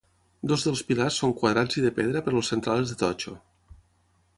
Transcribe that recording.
Dos dels pilars són quadrats i de pedra però el central és de totxo.